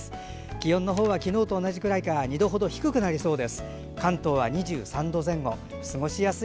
気温は昨日と同じくらいか２度程低くなりそうです。